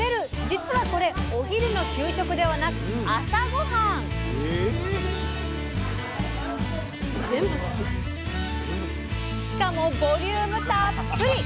実はこれお昼の給食ではなくしかもボリュームたっぷり！